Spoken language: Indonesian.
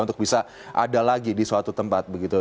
untuk bisa ada lagi di suatu tempat begitu